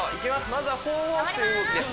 まずは４ウォークという動きです